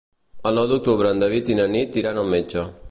El nou d'octubre en David i na Nit iran al metge.